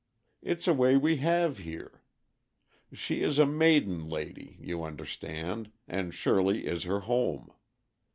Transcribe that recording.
It's a way we have here. She is a maiden lady, you understand, and Shirley is her home.